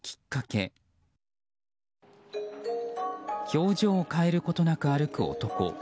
表情を変えることなく歩く男。